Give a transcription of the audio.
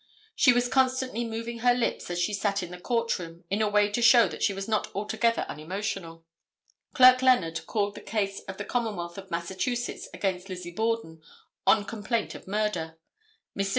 She was constantly moving her lips as she sat in the court room in a way to show that she was not altogether unemotional. Clerk Leonard called the case of the Commonwealth of Massachusetts against Lizzie Borden, on complaint of murder. Mr.